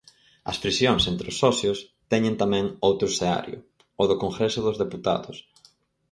As friccións entre os socios teñen tamén outro escenario, o do Congreso dos Deputados.